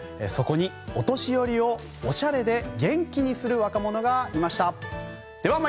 そこにお年寄りをおしゃれで元気にする若者がいました。